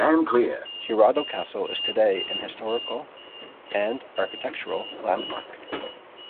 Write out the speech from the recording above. Hirado Castle is today an historical and architectural landmark.